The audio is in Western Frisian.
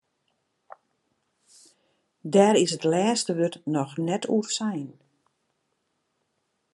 Dêr is it lêste wurd noch net oer sein.